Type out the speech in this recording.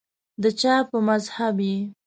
دچا په مذهب یی